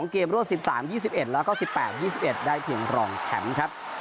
เกมรวด๑๓๒๑แล้วก็๑๘๒๑ได้เพียงรองแชมป์ครับ